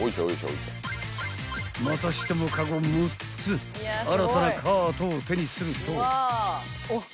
［またしてもカゴ６つ新たなカートを手にすると］